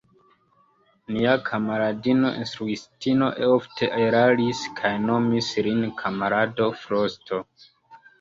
Nia kamaradino instruistino ofte eraris kaj nomis lin kamarado Frosto.